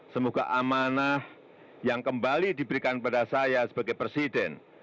semoga amanah yang kembali diberikan pada saya sebagai presiden